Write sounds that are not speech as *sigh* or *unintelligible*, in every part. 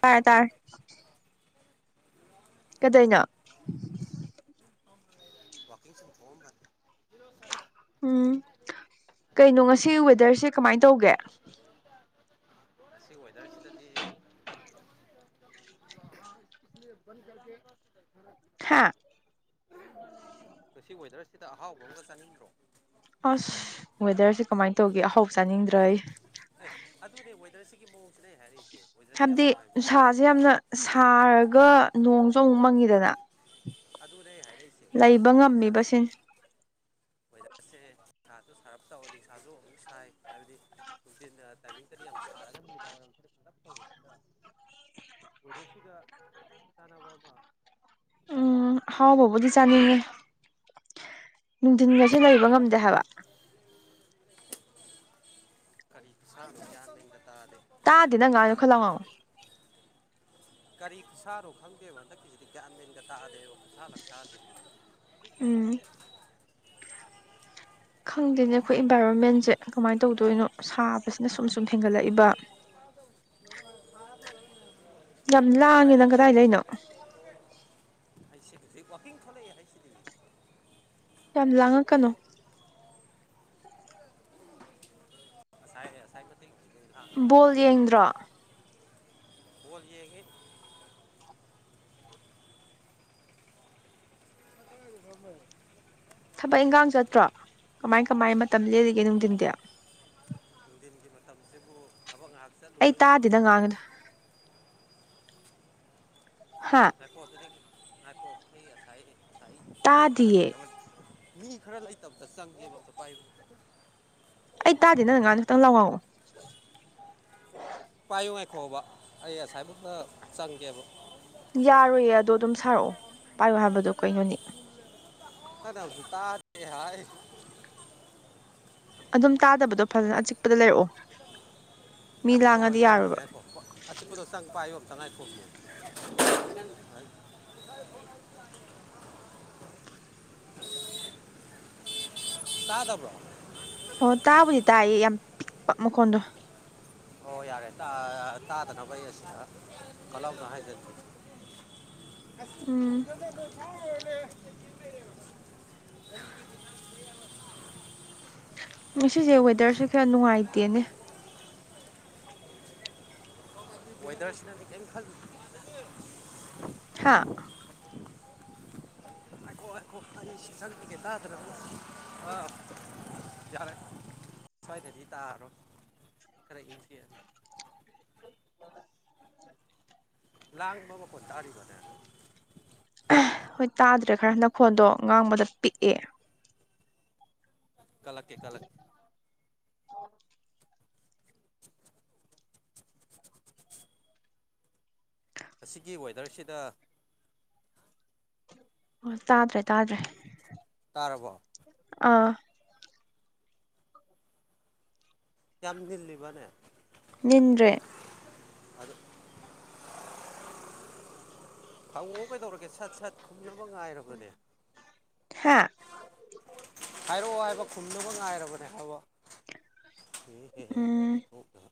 ꯇꯥꯔꯦ ꯇꯥꯔꯦ ꯀꯗꯩꯅꯣ ꯋꯥꯀꯤꯡ ꯁꯨꯝ ꯊꫭꯛꯐꯝꯕꯅꯦ ꯀꯩꯅꯣ ꯉꯁꯤ ꯋꯦꯗꯔꯁꯦ ꯀꯃꯥꯏꯅ ꯇꯧꯒꯦ ꯑꯁꯤ ꯋꯦꯗ꯭ꯔꯁꯤꯗꯗꯤ *unintelligible* ꯊ ꯁꯤ ꯋꯦꯗꯔꯁꯤꯗ ꯑꯍꯥꯎꯕ ꯑꯃꯒ ꯆꯥꯅꯤꯡꯗ꯭ꯔꯣ ꯑꯁ ꯋꯦꯗꯔꯁꯦ ꯀꯃꯥꯏꯅ ꯇꯧꯒꯦ ꯑꯍꯥꯎ ꯆꯥꯅꯤꯡꯗ꯭ꯔꯩ ꯃꯦ ꯍꯥꯏꯔꯤꯁꯦ ꯍꯥꯏꯕꯗꯤ ꯎ ꯁꯥꯥꯁꯦ ꯌꯥꯝꯅ ꯁꯥꯔꯒ ꯅꯣꯡꯁꯨ ꯑꯃꯨꯛ ꯃꯪꯉꯤꯗꯅ ꯑꯗꯨꯅꯦ ꯍꯥꯏ ꯂꯩꯕ ꯉꯝꯃꯤꯕꯕꯁꯤ ꯍ ꯅꯤꯁꯥꯁꯨ ꯁꯥꯔꯞ ꯇꯧꯔ ꯅꯤꯁꯥꯁꯨ ꯑꯃꯨꯛ ꯁꯥꯏ ꯍꯥꯏꯕꯗꯤ ꯅꯨꯡꯊꯤꯟ ꯇꯥꯏꯃꯤꯡꯇꯗꯤ ꯌꯥꯝ ꯁꯥꯔꯒ ꯅꯨꯃꯤꯗꯥꯡ *inaudible* ꯋꯗꯔꯁꯤꯒ ꯁꯥꯟꯅꯕ ꯑꯃ ꯎꯝ ꯆꯥꯅꯤꯡꯕꯗꯣ ꯍꯥꯎꯕꯕꯗꯤꯁꯅꯤ ꯅꯨꯡꯊꯤꯟ ꯉ ꯁꯤꯟꯅꯕ ꯉꯝꯗꯦ ꯍꯥꯏꯕ ꯀꯔꯤ ꯌꯥ ꯇꯥꯗꯤꯅꯪꯒꯒꯥꯅ ꯈꯂꯉ ꯀꯔꯤ ꯁꯥꯔꯣ ꯈꯪꯗꯦꯕ ꯍꯟꯗꯛꯀꯤꯁꯤꯗꯤ ꯀꯃꯦꯟꯒ ꯇꯥꯑꯦꯕ ꯑꯁꯥ ꯂ ꯆꯖ ꯎꯝ ꯈꯪꯗꯦꯅꯦ ꯑꯩꯈꯣꯏ ꯏꯟꯚꯥꯏꯔꯣꯟꯃꯦꯟꯁꯦ ꯀꯃꯥꯏꯅ ꯇꯧꯗꯣꯏꯅꯣ ꯁꯥꯕꯁꯤꯅ ꯁꯨꯝ ꯁꯨꯝ ꯍꯦꯟꯒꯠꯂꯛꯏꯕ *inaudible* ꯌꯥꯝ ꯎꯄꯥꯏ ꯂꯥꯡꯉꯦꯅꯪ ꯂꯩꯇꯦ ꯀꯗꯥꯏꯗꯅꯣ ꯍꯩꯁꯤ ꯋꯥꯀꯤꯡ ꯈꯂꯦ ꯍꯥꯏꯩꯁꯤ ꯗ ꯌꯥꯝ ꯂꯥꯡꯉꯛꯀꯅꯣ ꯁꯥꯏꯁꯥꯏ ꯕꯣꯜ ꯌꯦꯡꯗ꯭ꯔꯣ ꯀꯣꯜ ꯂꯤꯌꯦꯒ ꯐꯃꯔꯦ ꯊꯕꯛ ꯏꯟꯈꯥꯡ ꯆꯠꯇ꯭ꯔꯣ ꯀꯃꯥꯏ ꯀꯃꯥꯏ ꯃꯇꯝ ꯂꯦꯔꯤꯒꯦ ꯅꯨꯡꯊꯤꯟꯗꯤ ꯁꯤ ꯃꯇꯝꯁꯤꯕꯨ ꯊꯕꯛ ꯉꯥꯏꯍꯥꯛ ꯑꯩ ꯆꯠꯂꯨꯕꯒꯤ ꯇꯥꯗꯦ ꯅꯪ ꯀꯁꯇ ꯉꯥꯡꯉꯤꯗꯣ ꯍꯥ ꯑꯁ ꯉꯥꯏꯀꯣ ꯑꯗꯨꯗꯤ ꯉꯥꯏꯀꯣ ꯑꯩ ꯉꯁꯥꯏꯗꯤ ꯉꯁꯥꯏ ꯈꯔ ꯇꯥꯗꯤꯌꯦ ꯂꯩꯇꯕꯅꯤ ꯃꯤ ꯈꯔ ꯂꯩꯇꯕꯗ ꯆꯪꯉꯦꯕꯄꯥꯏꯕꯨ ꯑꯩ ꯇꯥꯗꯦ ꯅꯪ ꯉꯍ ꯈꯤꯇꯪ ꯂꯥꯎꯔꯥꯎꯑꯣ ꯄꯥꯏꯌꯨ ꯉꯥꯏꯈꯣꯕ ꯑꯩ ꯉꯁꯥꯏꯕꯇ ꯆꯪꯒꯦꯕ ꯌꯥꯔꯣꯏꯌꯦ ꯑꯗꯣ ꯑꯗꯨꯝ ꯁꯥꯔꯛꯑꯣ ꯄꯥꯏꯌꯣ ꯍꯥꯏꯕꯗꯣ ꯀꯩꯅꯣꯅꯤ ꯀꯁꯨ ꯇ ꯍꯥꯏ ꯑꯗꯨꯝ ꯇꯥꯗꯕꯗꯣ ꯐꯖꯅ ꯑꯆꯤꯛꯄꯗ ꯂꯩꯔꯛꯑꯣ ꯃꯤ ꯑꯁꯤꯄꯗꯧ ꯂꯥꯡꯉꯗꯤ ꯑꯩ ꯌꯥꯔꯣꯏꯕ ꯆꯪꯈꯤꯦ ꯍꯥꯏꯈꯣ ꯑꯁꯤ ꯀꯗꯧ ꯆꯪꯄ ꯍꯥꯏꯌꯣꯛꯛꯇꯅ ꯍꯥꯏꯈꯣ ꯎꯝ *inaudible* ꯇ ꯇꯕ꯭ꯔꯣ ꯑꯣ ꯇꯥꯕꯨꯗꯤ ꯇꯥꯏꯌꯦ ꯌꯥꯝ ꯃꯈꯣꯟꯗꯣ ꯑꯣ ꯌꯥꯔꯦ ꯇꯥꯗꯅꯕꯅꯕꯩ ꯑꯁꯤꯅ ꯃꯂꯅ ꯍꯥꯏ ꯆ ꯕ ꯎꯝ ꯉꯁꯦ ꯋꯦꯗꯔꯁꯦ ꯀꯌꯥ ꯅꯨꯡꯉꯥꯏꯇꯦꯅꯦ ꯋꯦꯗꯔꯁꯤꯅꯗꯤ ꯀꯔꯤꯝ ꯈꯜꯂꯤ ꯍꯥꯥ ꯈꯣ ꯑꯩ ꯁꯟꯦ ꯇꯥꯗꯅ ꯑꯥ ꯌꯥꯔꯦ ꯁ꯭ꯋꯥꯏꯗꯗꯤ ꯇꯥꯑꯔꯣꯏ ꯈꯔ ꯏꯪꯁꯤ ꯑꯗꯨꯅꯤ *inaudible* ꯂꯥꯡ ꯋꯥꯕꯥ ꯀꯧꯕ ꯇꯔꯦ ꯋꯥꯗ ꯍꯣꯏ ꯇꯥꯗ꯭ꯔꯦ ꯈꯔ ꯍꯟꯗꯛ ꯐꯣꯟꯗꯣ ꯉꯥꯡꯕꯗ ꯄꯤꯛꯑꯦ ꯀꯂꯀꯦ ꯀꯂꯛ ꯑꯁꯤꯒꯤ ꯋꯦꯗꯔꯁꯤꯗ ꯑꯣ ꯇꯥꯗ꯭ꯔꯦ ꯇꯥꯗ꯭ꯔꯦ ꯑꯥ ꯌꯥꯝ ꯜꯂꯤꯕꯅꯦ ꯌꯦꯗ꯭ꯔꯦ ꯑꯗꯨꯗ ꯍꯪꯉꯛꯑꯣ ꯀꯩꯗꯧꯔꯒꯦ ꯁꯠ ꯁꯠ ꯈꯨꯝꯅꯕ ꯉꯥꯏꯔꯕꯅꯦ ꯍꯥ ꯍꯥꯏꯔꯛꯑꯣ ꯍꯥꯏꯕ ꯈꯨꯝꯗꯨꯃꯛ ꯉꯥꯏꯔꯕꯅꯤ ꯑꯍ ꯌꯦ ꯍꯦ ꯎꯝ ꯍꯊ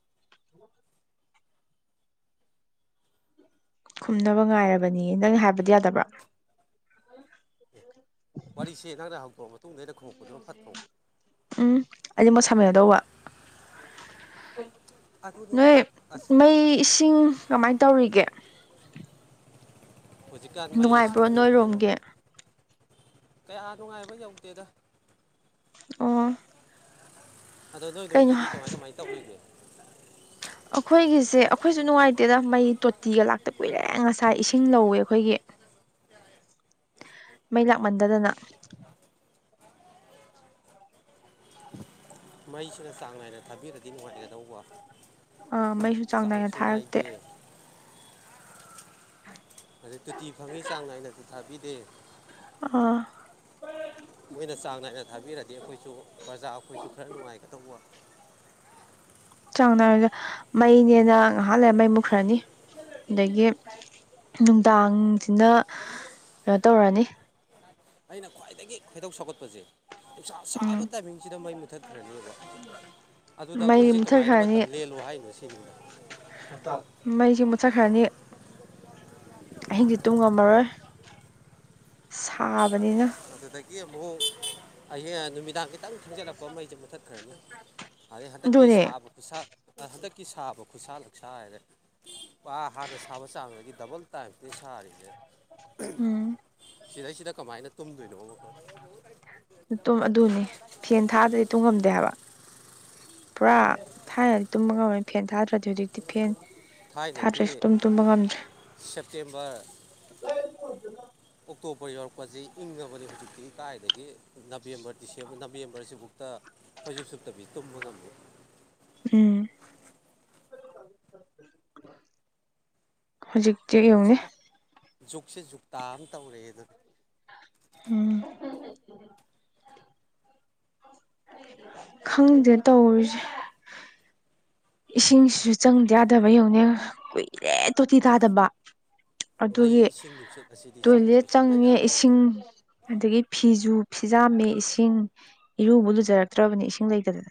ꯈꯨꯝꯅꯕ ꯉꯥꯏꯔꯕꯅꯤ ꯅꯪ ꯍꯥꯏꯕꯗꯤ ꯌꯥꯗꯕ꯭ꯔꯥ ꯋꯥꯔꯤꯁꯤꯦ ꯊꯪꯔ ꯍꯛꯄꯣ ꯎꯝ ꯑꯩꯗꯤ ꯃꯁꯥꯃꯦꯒꯗꯧꯕ ꯅꯣꯏ ꯃꯩ ꯏꯁꯤꯡ ꯀꯃꯥꯏꯅ ꯇꯧ ꯇꯧꯔꯤꯒꯦ ꯍꯧꯖꯤꯛꯀꯥꯟ ꯃꯩ ꯅꯨꯡꯉꯥꯏꯕ꯭ꯔꯣ ꯏꯁꯤꯡꯕꯨ ꯀꯩꯅꯣ ꯅꯣꯏꯔꯣꯝꯒꯤ ꯀꯌꯥ ꯅꯨꯡꯉꯥꯏꯕ ꯌꯧꯗꯦꯗ ꯑꯣ ꯑꯗꯣ ꯅꯣꯏ ꯀꯩꯅꯣ ꯅꯣꯏꯒꯤꯗꯤ ꯀꯃꯥꯏ ꯀꯃꯥꯏ ꯇꯧꯕꯈꯤꯒꯦ ꯑꯩꯈꯣꯏꯒꯤꯁꯦ ꯑꯩꯈꯣꯏꯁꯨ ꯅꯨꯡꯉꯥꯏꯇꯦꯗ ꯃꯩ ꯇꯣꯇꯤꯒ ꯂꯥꯛꯇ ꯀꯨꯏꯔꯦ ꯉꯁꯥꯏ ꯏꯁꯤꯡ ꯂꯧꯋꯦ ꯑꯩꯈꯣꯏꯒꯤ ꯃꯩ ꯂꯥꯛꯃꯟꯗꯗꯅ ꯃꯩꯁꯤꯅ ꯆꯥꯡ ꯅꯥꯏꯅ ꯊꯥꯕꯤꯔꯛꯦ ꯗꯤ ꯅꯨꯡꯉꯥꯏꯒꯗꯧꯕ ꯑꯥ ꯃꯩꯁꯨ ꯆꯥꯡ ꯅꯥꯏꯅ ꯆꯥꯡꯁꯨ ꯊꯥꯔꯛꯇꯦ ꯅꯥꯏꯗꯦ ꯑꯗꯨꯗ ꯇꯣꯇꯤ ꯐꯪꯉꯤ ꯆꯥꯡ ꯅꯥꯏꯅꯗꯤ ꯊꯥꯕꯤꯗꯦ ꯑ ꯃꯣꯏꯅ ꯆꯥꯡ ꯅꯥꯏꯅ ꯊꯥꯕꯤꯔꯗꯤ ꯑꯩꯈꯣꯏꯁꯨ ꯄ꯭ꯔꯖꯥ ꯑꯩꯈꯣꯏꯁꯨ ꯈꯔ ꯅꯨꯡꯉꯥꯏꯒꯗꯧꯕ ꯆꯥꯡꯅꯔꯒ ꯃꯩꯅꯦꯅ ꯉꯥꯏꯍꯥꯟ ꯂꯩ ꯃꯩ ꯃꯨꯈ꯭ꯔꯅꯤ ꯑꯗꯒꯤ ꯅꯨꯡꯗꯥꯡꯁꯤꯅ ꯀꯩꯅꯣ ꯇꯧꯔꯅꯤ ꯑꯩꯅ ꯈ꯭ꯋꯥꯏꯗꯒꯤ ꯈꯣꯏꯗꯧ ꯁꯧꯒꯠꯄꯁꯦ ꯅꯨꯡꯁꯥ ꯎꯝ ꯁꯥꯕ ꯇꯥꯏꯃꯤꯡꯁꯤꯗ ꯃꯩ ꯃꯨꯊꯠꯈ꯭ꯔꯅꯤꯕ ꯑꯗꯨꯗ ꯃꯩ ꯑꯩꯈꯣꯏꯁꯦ ꯀꯃꯥꯏꯅ ꯃꯨꯠꯊꯠꯈ꯭ꯔꯅꯤ ꯃꯇꯝ ꯂꯦꯜꯂꯨ ꯍꯥꯏꯅꯣ ꯁꯤꯅꯤꯗ ꯃꯩꯁꯦ ꯃꯨꯠꯊꯠꯈ꯭ꯔꯅꯤ ꯑꯍꯤꯡꯁꯦ ꯇꯨꯝꯉꯝꯃꯔꯣꯏ ꯁꯥꯕꯅꯤꯅ ꯑꯗꯨꯗꯒꯤ ꯑꯃꯨꯛ ꯍꯡ ꯅꯨꯃꯤꯗꯥꯡ ꯈꯤꯇꯪ ꯊꯪꯖꯤꯜꯂꯛꯄ ꯃꯩꯁꯦ ꯃꯨꯊꯠꯈ꯭ꯔꯅꯤ ꯑꯗꯩ ꯍꯟꯗꯛꯀꯤ ꯑꯗꯨꯅꯦ ꯁꯥꯕ ꯈꯨꯠꯁꯥ ꯍꯟꯗꯛꯀꯤ ꯁꯥꯕ ꯈꯨꯠꯁꯥꯜꯂ ꯁꯥꯥꯏꯔꯦ ꯑ ꯍꯥꯟꯅ ꯁꯥꯕ ꯆꯥꯕꯗꯒꯤ ꯗꯕꯜ ꯇꯥꯏꯝꯁꯇꯅꯤ ꯁꯥꯔꯤꯁꯦ ꯎꯝ ꯁꯤꯗꯩꯁꯤꯗ ꯀꯃꯥꯏꯅ ꯇꯨꯝꯗꯣꯏꯅꯣ ꯃꯈꯣ ꯇꯨꯝ ꯑꯗꯨꯅꯤ ꯐꯦꯟ ꯊꯥꯗ꯭ꯔꯗꯤ ꯇꯨꯝꯉꯝꯗꯦ ꯍꯥꯏꯕ ꯄꯨꯔꯥ ꯊꯥꯏꯅꯗꯤ ꯇꯨꯝꯃꯒꯝꯕꯅꯤ ꯐꯦꯟ ꯊꯥꯗ꯭ꯔꯗꯤ ꯍꯧꯖꯤꯛꯇꯤ ꯐꯦꯟ ꯊꯥꯗ꯭ꯔꯦꯁꯨ ꯊꯥꯏꯅꯗꯤ ꯇꯨꯝ ꯇꯨꯝꯕ ꯉꯝꯗ꯭ꯔꯦ ꯁꯦꯞꯇꯦꯝꯕꯔ ꯀꯗꯅ ꯇꯣꯄ ꯌꯎꯔꯛꯄꯁꯤ ꯏꯪꯉꯕꯅꯤ ꯍꯧꯖꯤꯛꯇꯤ ꯇꯥꯏꯗꯗꯒꯤ ꯑꯗꯒꯤ ꯅꯕꯦꯝꯕꯔ ꯗꯤꯁꯦꯝꯕꯔ ꯅꯕꯦꯝꯕꯔꯁꯤꯕꯨꯛꯇ ꯈꯣꯏꯁꯨꯨꯞ ꯁꯨꯞꯠꯇꯕꯤ ꯇꯨꯝꯕ ꯉꯝꯃ ꯎꯝ ꯍꯧꯖꯤꯛ ꯆꯦꯛꯌꯨꯝꯅꯦ ꯍꯧꯖꯤꯛꯀ ꯖꯨꯛꯁꯦ ꯖꯨꯛꯇꯥ ꯑꯃ ꯇꯧꯔꯛꯑꯦ ꯑꯗꯨꯅꯤ ꯎꯝ ꯈꯪꯗꯦ ꯇꯧꯔꯤꯁꯦ ꯏꯁꯤꯡꯁꯤꯁꯨ ꯆꯪꯗ ꯌꯥꯗꯕ ꯌꯧꯅꯤ ꯀꯨꯏꯔꯦ ꯇꯣꯇꯤ ꯇꯥꯗꯕ ꯑꯗꯨꯒꯤ ꯃꯩ ꯏꯁꯤꯡ ꯅꯨꯡꯁꯤꯠ ꯑꯁꯤꯗꯤ ꯇꯣꯏꯂꯦꯠ ꯆꯪꯗꯕ ꯁꯨꯡꯌꯥ ꯆꯪꯉꯦ ꯌꯥꯗ꯭ꯔꯕꯅꯤ ꯏꯁꯤꯡ ꯑꯗꯨꯗꯒꯤ ꯐꯤꯖꯁꯨ ꯐꯤꯖꯥꯝꯃꯤ ꯏꯁꯤꯡ ꯏꯔꯨꯕꯨ ꯂꯨꯖꯔꯛꯇ꯭ꯔꯕꯅꯤ ꯏꯁꯤꯡ ꯂꯩꯇꯕ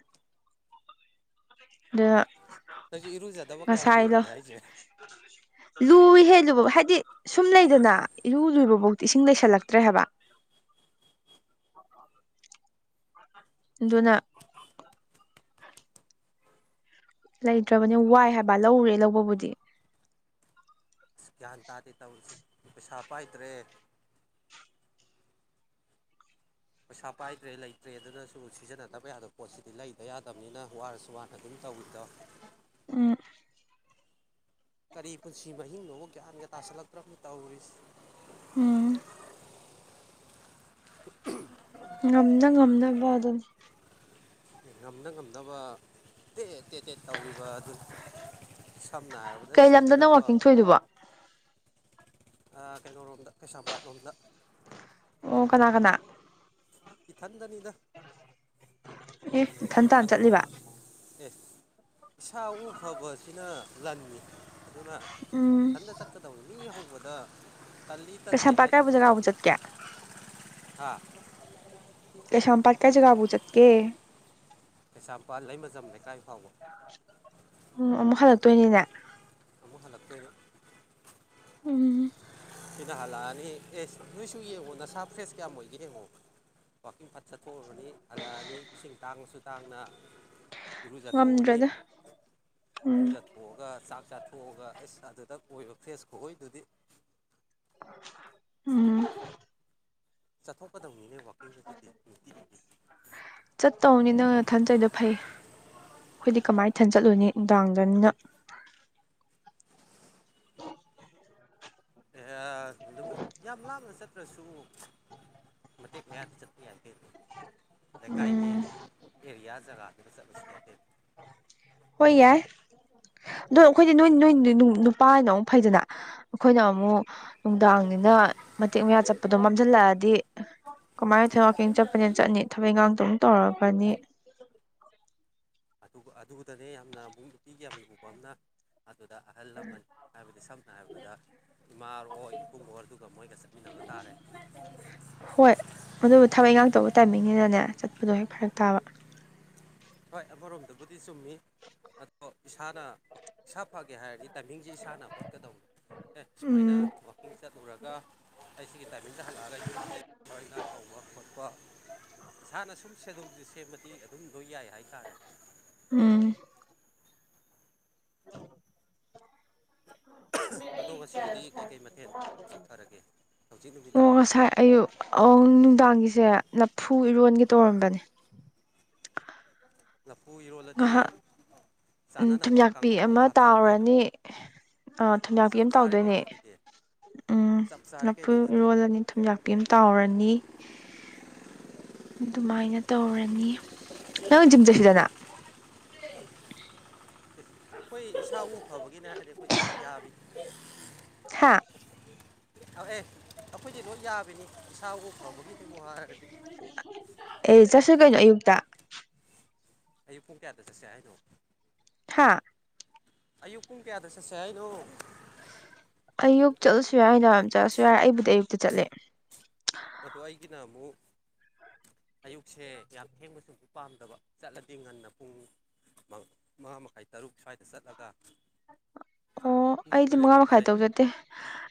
ꯑꯥ ꯅꯪꯁꯨ ꯏꯔꯨꯖꯗꯕ ꯀꯌꯥꯝ ꯉꯁꯥꯏꯗꯣ ꯀꯨꯏꯔꯒꯦ ꯍꯥꯏꯁꯦ ꯂꯨꯏꯍꯦ ꯑꯗꯨꯕꯨ ꯍꯥꯏꯗꯤ ꯁꯨꯝ ꯂꯩꯗꯅ ꯏꯔꯨ ꯂꯨꯕ ꯐꯥꯎꯗꯤ ꯏꯁꯤꯡ ꯂꯩꯁꯜꯂꯛꯇ꯭ꯔꯦ ꯍꯥꯏꯕ ꯑꯗꯨꯅ ꯂꯩꯇ꯭ꯔꯕꯅꯤ ꯋꯥꯏ ꯍꯥꯏꯕ ꯂꯧꯔꯦ ꯂꯧꯕꯕꯨꯗꯤ ꯑꯁ ꯒ꯭ꯌꯥꯟ ꯇꯥꯗꯦ ꯇꯧꯔꯤꯁꯦ ꯄꯩꯁꯥ ꯄꯥꯏꯗ꯭ꯔꯦ ꯄꯩꯁꯥ ꯄꯥꯏꯗ꯭ꯔꯦ ꯂꯩꯇ꯭ꯔꯦ ꯑꯗꯨꯅꯁꯨ ꯁꯤꯖꯤꯟꯅꯗꯕ ꯌꯥꯗꯕ ꯄꯣꯠꯁꯤꯗꯤ ꯂꯩꯗ ꯌꯥꯗꯕꯅꯤꯅ ꯋꯥꯔꯁꯨ ꯋꯥꯅ ꯑꯗꯨꯝ ꯇꯧꯋꯤꯗꯣ ꯎꯝ ꯀꯔꯤ ꯄꯨꯟꯁꯤ ꯃꯍꯤꯡꯅꯣꯕ ꯒ꯭ꯌꯥꯟꯒ ꯇꯥꯥꯁꯜꯂꯛꯇ꯭ꯔꯕꯅꯤ ꯇꯧꯔꯤꯁꯤ ꯎꯝ *unintelligible* ꯉꯝꯅ ꯉꯝꯅꯕ ꯑꯗꯨꯝ ꯉꯝꯅ ꯉꯝꯅꯕ ꯇꯦꯇꯦ ꯇꯦꯠ ꯇꯧꯔꯤꯕ ꯑꯗꯨꯅꯤ ꯁꯝꯅ ꯍꯥꯏꯔꯕꯗ ꯀꯩ ꯂꯝꯗꯅꯣ ꯁꯤꯗꯅꯕ ꯋꯥꯛꯀꯤꯡ ꯊꯣꯛꯏꯗꯨꯕꯣ ꯑꯥ ꯀꯩꯅꯣ ꯂꯣꯝꯗ ꯀꯩꯁꯥꯝꯄꯥꯠꯂꯣꯝꯗ ꯑꯣ ꯀꯅꯥ ꯀꯅꯥ ꯏꯊꯟꯗꯅꯤꯗ ꯑꯦ ꯏꯊꯟꯇꯥꯅ ꯀꯅ ꯆꯠꯂꯤꯕ ꯑꯦ ꯏꯁꯥ ꯏꯎ ꯐꯕꯁꯤꯅ ꯂꯟꯅꯤ ꯑꯗꯨꯅ ꯎꯝ ꯏꯊꯟꯗ ꯆꯠꯀꯗꯧꯅꯤ ꯃꯤ ꯍꯧꯕꯗ ꯇꯜꯂꯤ ꯇꯟꯗꯦ ꯀꯩꯁꯥꯝꯄꯥꯠ ꯍꯥꯏꯗꯨꯏ ꯀꯥꯏꯕꯨ ꯖꯒꯥꯕꯨ ꯁꯦꯛꯄꯨꯗꯤ ꯆꯠꯀꯦ ꯍꯥꯥ ꯀꯩꯁꯥꯝꯄꯥꯠ ꯀꯥꯏ ꯖꯒꯥꯕꯨ ꯆꯠ ꯀꯦ ꯀꯩꯁꯥꯝꯄꯥꯠ ꯂꯩꯃꯖꯝ ꯂꯩꯀꯥꯏ ꯐꯥꯎꯕ ꯎꯝ ꯑꯃꯨꯛ ꯍꯜꯂꯛꯇꯣꯏꯅꯤꯅꯦ ꯑꯃꯨꯛ ꯍꯜꯂꯛꯇꯣꯏꯅꯤ ꯎꯝ ꯍꯥꯜꯂꯛꯑꯅꯤ ꯑꯦꯁ ꯅꯣꯏꯁꯨ ꯌꯦꯡꯉꯣ ꯅꯁꯥ ꯐ꯭ꯔꯦꯁ ꯀꯌꯥꯝ ꯑꯣꯏꯒꯦ ꯌꯦꯡꯉꯣ ꯋꯥꯛꯀꯤꯡ ꯐꯠ ꯆꯠꯊꯣꯛꯎꯔꯅꯤ ꯍꯜꯂꯛꯑꯅꯤ ꯏꯁꯤꯡ ꯇꯥꯡꯉꯁꯨ ꯇꯥꯡꯅ ꯏꯔꯨꯖꯥꯊꯣꯛꯑꯅꯤ ꯉꯝꯗ꯭ꯔꯦꯗ ꯎꯝ ꯏꯔꯨꯖꯥꯊꯣꯛꯑꯒ ꯆꯥꯛ ꯆꯥꯊꯣꯛꯑꯒ ꯑꯁ ꯑꯗꯨꯗꯥ ꯑꯣꯏꯕ ꯐ꯭ꯔꯦꯁ ꯈꯨꯑꯣꯏꯗꯨꯗꯤ ꯎꯝ ꯆꯠꯊꯣꯛ ꯆꯠꯇꯧꯅꯤ ꯅꯪ ꯅꯊꯟ ꯆꯠꯂꯤꯗꯣ ꯐꯩ ꯑꯩꯈꯣꯏꯗꯤ ꯀꯃꯥꯏ ꯏꯊꯟ ꯆꯠꯂꯨꯅꯤ ꯅꯨꯡꯗꯥꯡꯗꯅꯤꯅ ꯌꯥ ꯌꯥꯝ ꯂꯥꯞꯅ ꯆꯠ ꯅꯠꯇ꯭ꯔꯁꯨ ꯃꯇꯦꯛ ꯃꯌꯥꯗꯤ ꯆꯠꯄ ꯌꯥꯏ ꯀꯩꯅꯣ ꯂꯩꯀꯥꯏꯒꯤ ꯎꯝ ꯑꯦꯔꯤꯌꯥ ꯖꯒꯥꯗꯨꯗ ꯆꯠꯂꯁꯨ ꯌꯥꯏ ꯀꯩꯅꯣ ꯍꯣꯏ ꯌꯥꯏ ꯗꯣ ꯑꯩꯈꯣꯏꯗꯤ ꯅꯣꯏ ꯅꯣꯏ ꯅꯨꯄꯥꯅ ꯑꯃꯨꯛ ꯐꯩꯗꯅ ꯑꯩꯈꯣꯏꯅ ꯑꯃꯨꯛ ꯅꯨꯡꯗꯥꯡꯅꯤ ꯅ ꯃꯇꯦꯛ ꯃꯌꯥ ꯆꯠꯄꯗꯣ ꯃꯝꯖꯜꯂꯛꯑꯗꯤ ꯀꯃꯥꯏꯅ ꯏꯊꯟ ꯋꯥꯛꯀꯤꯡ ꯆꯠꯄꯅꯦꯅ ꯆꯠꯅꯤ ꯊꯕꯛ ꯏꯪꯈꯥꯡ ꯑꯗꯨꯝ ꯇꯧꯔꯀꯅꯤ ꯑꯗꯨꯒ ꯑꯗꯨꯗꯅꯦ ꯌꯥꯝꯅ ꯑꯃꯨꯛ ꯅꯨꯄꯤꯒꯤ ꯌꯥꯝꯅ ꯂꯨꯕꯥ ꯑꯃꯥꯅ ꯑꯗꯨꯗ ꯑꯍꯜ ꯂꯃꯟ ꯍꯥꯏꯕꯗꯤ ꯁꯝꯅ ꯍꯥꯏꯔꯕꯗ ꯏꯃꯥ ꯑꯣꯏꯔꯣ ꯏꯕꯨꯡ ꯑꯣꯏꯔꯣꯗꯨꯒ ꯃꯣꯏꯒ ꯆꯠꯃꯤꯟꯅꯕ ꯇꯥꯔꯦ ꯍꯣꯏ ꯑꯗꯨꯕꯨ ꯊꯕꯛ ꯉꯥꯛꯇꯕꯨ ꯅꯅꯦ ꯆꯠꯄꯗꯣ ꯍꯦꯛ ꯐꯔꯛ ꯇꯥꯕ ꯍꯣꯏ ꯑꯃꯥꯔꯣꯝꯗꯕꯨꯗꯤ ꯆꯨꯝꯃꯤ ꯑꯗꯣ ꯏꯁꯥꯅ ꯏꯁꯥ ꯐꯒꯦ ꯍꯥꯏꯔꯗꯤ ꯇꯥꯏꯃꯤꯡꯁꯦ ꯏꯁꯥꯅ ꯍꯣꯠꯀꯗꯧꯅꯤ ꯑꯦ ꯁꯨꯃꯥꯏꯅ ꯎꯝ ꯋꯥꯛꯀꯤꯡ ꯆꯠꯂꯨꯔꯒ ꯑꯩ ꯁꯤꯒꯤ ꯇꯥꯏꯃꯤꯡꯗ ꯍꯜꯂꯛꯑꯒ ꯌꯨꯝꯒꯤ ꯊꯕꯛ ꯏꯪꯈꯥꯡ ꯇꯧꯕ ꯈꯣꯠꯄ ꯏꯁꯥꯅ ꯁꯨꯝ ꯁꯦꯗꯨꯜꯁꯦ ꯁꯦꯝꯕꯗꯤ ꯑꯗꯨꯝꯗꯣꯏ ꯌꯥꯏ ꯍꯥꯏꯇꯥꯔꯦ ꯎꯝ ꯎꯝ *unintelligible* ꯑꯗꯣ ꯉꯁꯤꯒꯤꯗꯤ ꯀꯩꯀꯩ ꯃꯊꯦꯜ ꯇꯧꯊꯔꯒꯦ ꯍꯧꯖꯤꯛ ꯑꯣ ꯅꯨꯃꯤꯗꯥꯡꯒꯤ ꯉꯁꯥꯏ ꯑꯌꯨꯛ ꯅꯨꯡꯗꯥꯡꯒꯤꯁꯦ ꯂꯥꯐꯨ ꯏꯔꯣꯟꯒꯦ ꯇꯧꯔꯝꯕꯅꯦ ꯂꯥꯐꯨ ꯏꯔꯣꯜꯂꯗꯤ ꯎꯝ ꯆꯥꯅꯅꯕ ꯊꯨꯝꯌꯥꯛꯄꯤ ꯀꯥꯡꯒꯧ ꯑꯃ ꯑꯃꯒ ꯍꯥꯞꯆꯜꯂꯨ ꯀꯩꯅꯣ ꯇꯥꯎꯔꯅꯤ ꯑꯥ ꯊꯨꯝꯌꯥꯛꯄꯤ ꯆꯞ ꯑꯃ ꯆꯥꯔꯦ ꯇꯥꯎꯗꯣꯏꯅꯦ ꯀꯩꯅꯣꯗꯨꯗꯤ ꯎꯝ ꯆꯞ ꯆꯥꯔꯦ ꯂꯥꯐꯨ ꯀꯩꯅꯣꯗꯨꯗꯤ ꯏꯔꯣꯜꯂꯅꯤ ꯊꯨꯝꯌꯥꯛꯄꯤ ꯑꯃ ꯇꯥꯎꯔꯅꯤ *inaudible* *unintelligible* ꯑꯗꯨꯃꯥꯏꯅ ꯇꯧꯔꯅꯤ ꯅꯪ ꯖꯤꯝ ꯆꯠꯁꯤꯗꯅ ꯑꯩꯈꯣꯏ ꯏꯁꯥꯕꯨ ꯐꯕꯒꯤꯅꯦ ꯍꯥꯏꯔꯗꯤ ꯑꯩꯈꯣꯏꯗꯤ ꯌꯥꯕꯤꯅꯦ ꯍꯥ ꯑ ꯑꯦ ꯑꯩꯈꯣꯏꯗꯤ ꯂꯣꯏ ꯌꯥ ꯅꯤ ꯏꯁꯥꯥꯕꯨ ꯐꯥꯕꯒꯤꯅꯦꯕꯨ ꯍꯥꯏꯔꯗꯤ ꯑꯦ ꯆꯠꯁꯤ ꯀꯩꯅꯣ ꯑꯌꯨꯛꯇ ꯑꯌꯨꯛ ꯄꯨꯡ ꯀꯌꯥꯗ ꯆꯠꯁꯦ ꯍꯥꯏꯅꯣ ꯍꯥꯥ ꯑꯌꯨꯛ ꯄꯨꯡ ꯀꯌꯥꯗ ꯆꯠꯁꯦ ꯍꯥꯏꯅꯣ ꯑꯌꯨꯛ ꯆꯠꯂꯁꯨ ꯌꯥꯏ ꯅꯨꯡꯗꯥꯡ ꯋꯥꯏꯔꯝ ꯆꯠꯂꯁꯨ ꯌꯥꯏ ꯑꯩꯕꯨꯗꯤ ꯑꯌꯨꯛꯇ ꯆꯠꯂꯦ ꯑꯗꯣ ꯑꯩꯒꯤꯅ ꯑꯃꯨꯛ ꯑꯌꯨꯛꯁꯦ ꯌꯥꯝ ꯊꯦꯡꯕꯁꯨ ꯄꯥꯝꯗꯕ ꯆꯠꯂꯗꯤ ꯉꯟꯅ ꯄꯨꯡ ꯃꯉꯥ ꯃꯈꯥꯏ ꯇꯔꯨꯛ ꯁ꯭ꯋꯥꯏꯗ ꯆꯠꯂꯒ ꯑꯣ ꯄꯨꯡ ꯑꯩꯗꯤ ꯇꯔꯦꯠ ꯃꯉꯥ ꯃꯈꯥꯏ ꯇꯔꯨꯛ ꯆꯠꯇꯦ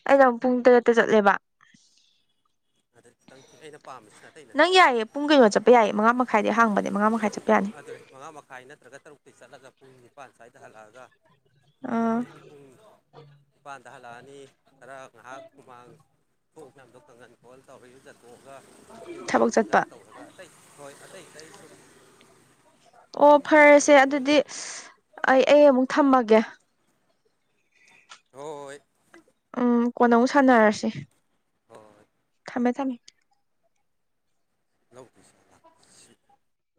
ꯑꯩꯅ ꯑꯃꯨꯛ ꯄꯨꯡ ꯇꯔꯦꯠꯇ ꯆꯠꯂꯦꯕ ꯑꯗ ꯈꯤꯇꯪ *unintelligible* ꯑꯩꯅ ꯄꯥꯝꯃꯤꯁꯤꯅ ꯑꯇꯩ *inaudible* ꯅꯪ ꯅꯠꯇꯦꯗ ꯌꯥꯏꯌꯦ ꯄꯨꯡ ꯀꯩꯅꯣ ꯆꯠꯄ ꯌꯥꯏꯌꯦ ꯃꯉꯥ ꯃꯈꯥꯏꯗꯩ ꯍꯥꯡꯕꯅꯦ ꯃꯉꯥ ꯃꯈꯥꯏ ꯆꯠꯄ ꯌꯥꯅꯤ ꯑꯗꯨꯅꯦ ꯃꯉꯥ ꯃꯈꯥꯏ ꯅꯠꯇ꯭ꯔꯒ ꯇꯔꯨꯛꯇꯩ ꯆꯠꯂꯒ ꯄꯨꯡ ꯅꯤꯄꯥꯟ ꯁ꯭ꯋꯥꯏꯗ ꯍꯜꯂꯛꯑꯒ ꯑꯥ ꯑꯗꯒꯤ ꯄꯨꯡ ꯅꯤꯄꯥꯟꯗ ꯍꯜꯂꯛꯑꯅꯤ ꯈꯔ ꯉꯥꯏꯍꯥꯛ ꯍꯨꯃꯥꯡ ꯊꯣꯛꯎ ꯃꯌꯥꯝꯗꯣ ꯀꯪꯍꯟ ꯈꯣꯠꯍꯟ ꯇꯧꯔ ꯏꯔꯨꯖꯥ ꯊꯣꯛꯑꯒ ꯌꯨꯝꯒꯤ ꯊꯕꯛ ꯏꯟꯈꯥꯡ ꯇꯧꯔꯒ ꯑꯇꯩ ꯍꯣꯏ ꯑꯇꯩ ꯑꯇꯩ ꯁꯨꯝ ꯑꯣ ꯌꯨꯝꯒꯤ ꯐꯥꯔꯦꯁꯦ ꯊꯕꯛ ꯏꯪꯈꯥꯡ ꯑꯗꯨꯗꯤ ꯑꯩ ꯑꯩ ꯑꯃꯨꯛ ꯊꯝꯃꯒꯦ ꯍꯣ ꯍꯣꯏ ꯎꯝ ꯀꯣꯟꯅ ꯑꯃꯨꯛ ꯁꯥꯟꯅꯔꯁꯦ ꯍꯣ ꯍꯣꯏ ꯊꯝꯃꯦ ꯊꯝꯃꯦ ꯂ ꯂꯧꯀꯤ *unintelligible*